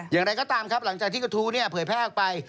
อย่างไรก็ตามครับหลังจากที่กระทู้เนี่ยเผยแพร่ออกไป